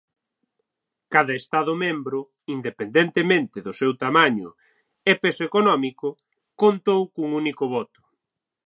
Cada Estado membro, independentemente do seu tamaño e peso económico, contou cun único voto.